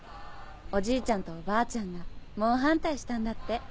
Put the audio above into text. おじいちゃんとおばあちゃんが猛反対したんだって。